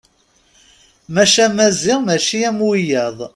Maca Maziɣ mačči am wiyaḍ.